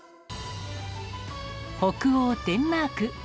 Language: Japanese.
北欧デンマーク。